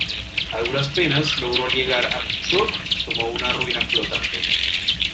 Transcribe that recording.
A duras penas logró llegar a Truk como una ruina flotante.